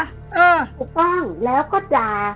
ถูกต้องแล้วก็ด่า